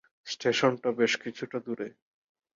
স্টেশনটা বেশ কিছুটা দূরে।